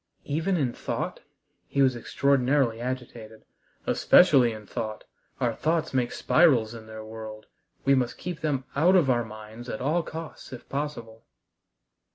"Even in thought?" He was extraordinarily agitated. "Especially in thought. Our thoughts make spirals in their world. We must keep them out of our minds at all costs if possible."